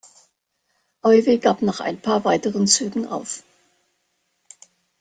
Euwe gab nach ein paar weiteren Zügen auf.